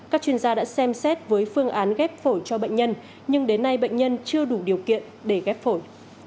các chuyên gia đã xem xét với phương án ghép phổi cho bệnh nhân nhưng đến nay bệnh nhân chưa đủ điều kiện để ghép phổi